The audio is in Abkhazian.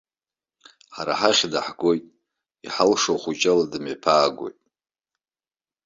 Ҳара ҳахь даҳгоит, иҳалшо ахәыҷала дымҩаԥаагоит.